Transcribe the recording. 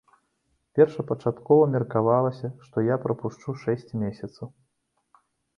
Першапачаткова меркавалася, што я прапушчу шэсць месяцаў.